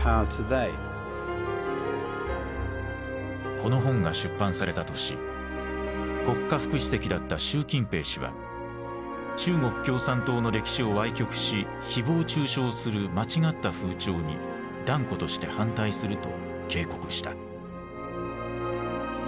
この本が出版された年国家副主席だった習近平氏は「中国共産党の歴史を歪曲し誹謗中傷する間違った風潮に断固として反対する」と警告した。